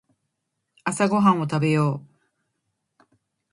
朝ごはんを食べよう。